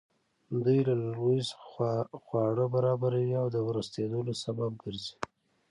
دوی له لرګیو څخه خواړه برابروي او د ورستېدلو سبب ګرځي.